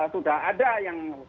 sudah ada yang